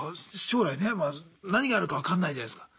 将来ねまあ何があるか分かんないじゃないすか。